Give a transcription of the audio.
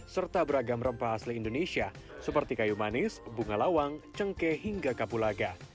serta beragam rempah asli indonesia seperti kayu manis bunga lawang cengkeh hingga kapulaga